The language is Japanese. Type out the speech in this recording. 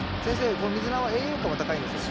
このミズナは栄養価も高いんですよね。